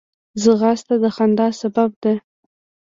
ځغاسته د خندا سبب ده